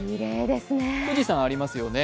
富士山ありますよね。